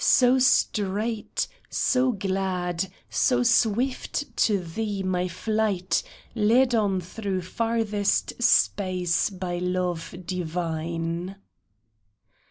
So straight, so glad, so swift to thee my flight, Led on through farthest space by love divine